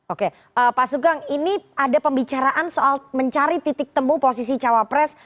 oke pak sugeng ini ada pembicaraan soal mencari titik temu posisi cawapres